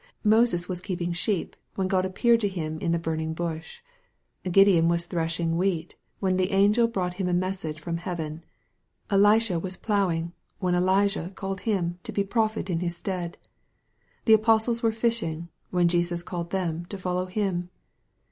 Moses was keeping sheep, when God appeared to him in the burning bush. Gideon was thrashing wheat, when the angel brought him a message from heaven. Elisha was ploughing, when Elijah called him to be prophet in his stead. The apostles were fishing, when Jesus called them to follow Him.